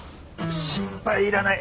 心配いらない。